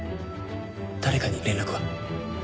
誰かに連絡は？